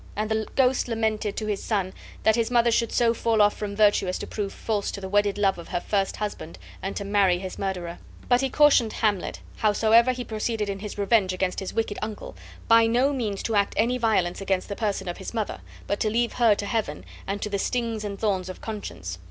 And the ghost lamented to his son that his mother should so fall off from virtue as to prove false to the wedded love of her first husband and to marry his murderer; but he cautioned Hamlet, howsoever he proceeded in his revenge against his wicked uncle, by no means to act any violence against the person of his mother, but to leave her to Heaven, and to the stings and thorns of conscience.